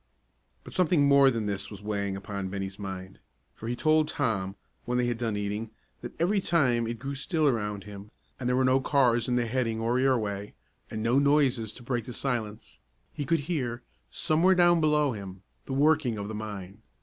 But something more than this was weighing upon Bennie's mind, for he told Tom, when they had done eating, that every time it grew still around him, and there were no cars in the heading or airway, and no noises to break the silence, he could hear, somewhere down below him, the "working" of the mine.